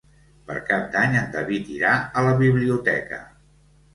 Per Cap d'Any en David irà a la biblioteca.